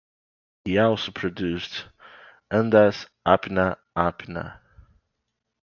He also produced "Andaz Apna Apna".